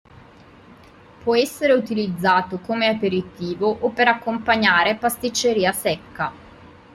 Può essere utilizzato come aperitivo, o per accompagnare pasticceria secca.